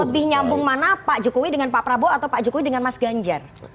lebih nyambung mana pak jokowi dengan pak prabowo atau pak jokowi dengan mas ganjar